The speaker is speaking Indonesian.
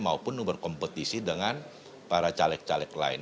maupun berkompetisi dengan para caleg caleg lain